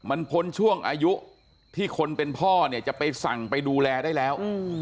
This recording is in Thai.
มันพ้นช่วงอายุที่คนเป็นพ่อเนี่ยจะไปสั่งไปดูแลได้แล้ว